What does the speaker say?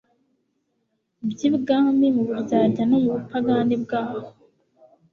by’ibwami, mu buryarya, no mu bupagani bwaho.